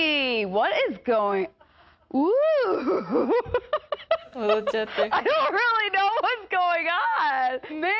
笑っちゃって。